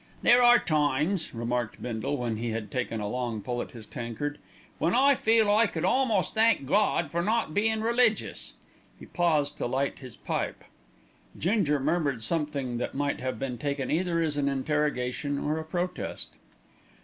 "There are times," remarked Bindle, when he had taken a long pull at his tankard, "when I feel I could almost thank Gawd for not bein' religious." He paused to light his pipe. Ginger murmured something that might have been taken either as an interrogation or a protest.